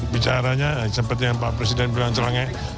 bicaranya seperti yang pak presiden bilang celenge en